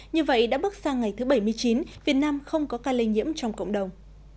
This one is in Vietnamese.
như vậy đã bước sang ngày thứ bảy mươi chín việt nam không có ca lây nhiễm trong cộng đồng